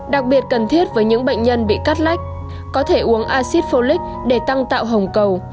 đặc biệt cần thiết với những bệnh nhân bị cắt lách có thể uống acid folic để tăng tạo hồng cầu